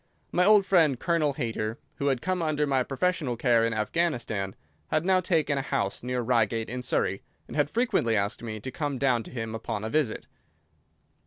My old friend, Colonel Hayter, who had come under my professional care in Afghanistan, had now taken a house near Reigate in Surrey, and had frequently asked me to come down to him upon a visit.